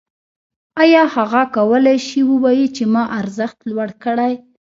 آیا هغه کولی شي ووايي چې ما ارزښت لوړ کړی